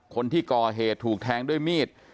คนที่ก่อเหตุถูกแทงด้วยมีด